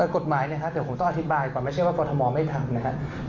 กฎหมายนะครับเดี๋ยวผมต้องอธิบายก่อนไม่ใช่ว่ากรทมไม่ทำนะครับ